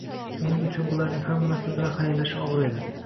Uning uchun bularning hammasi bilan xayrlashish og`ir edi